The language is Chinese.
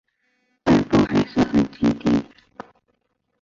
外婆还是很坚强